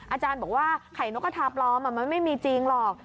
อาจารย์บอกว่าไข่นกกระทาปลอมมันไม่มีจริงหรอก